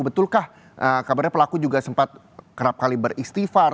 betulkah kabarnya pelaku juga sempat kerap kali beristighfar